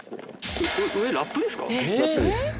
上ラップですか？